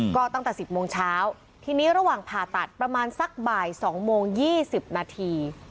ก็ตั้งแต่๑๐โมงเช้าทีนี้ระหว่างผ่าตัดประมาณสักบ่าย๒โมง๒๐นาที